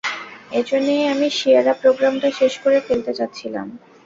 এজন্যই আমি সিয়েরা প্রোগ্রামটা শেষ করে ফেলতে চাচ্ছিলাম।